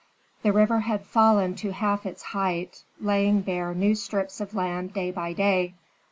The river had fallen to half its height, laying bare new strips of land day by day.